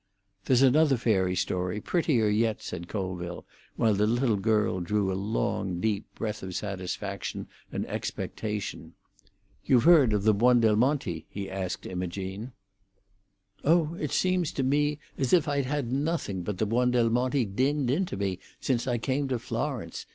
"There's another fairy story, prettier yet," said Colville, while the little girl drew a long deep breath of satisfaction and expectation. "You've heard of the Buondelmonti?" he asked Imogene. "Oh, it seems to me as if I'd had nothing but the Buondelmonti dinned into me since I came to Florence!"